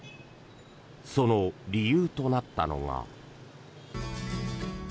その理由となったのが。